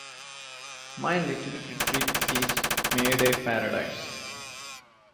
My little retreat is made a paradise.